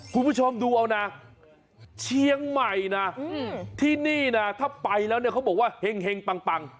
คุณผู้ชมดูเอานะเชียงใหม่นะที่นี่นะถ้าไปแล้วเนี่ยเขาบอกว่าเห็งปัง